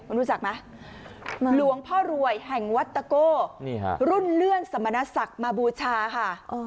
คุณรู้จักไหมหลวงพ่อรวยแห่งวัดตะโก้รุ่นเลื่อนสมณศักดิ์มาบูชาค่ะ